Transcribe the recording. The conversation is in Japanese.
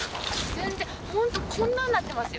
全然ホントこんなんなってますよ。